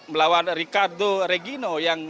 melawan ricardo regino yang